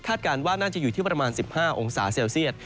การว่าน่าจะอยู่ที่ประมาณ๑๕องศาเซลเซียต